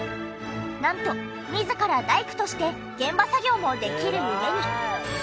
なんと自ら大工として現場作業もできる上に。